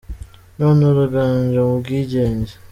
None uraganje mu bwigenge